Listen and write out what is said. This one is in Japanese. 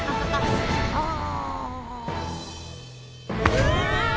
うわ！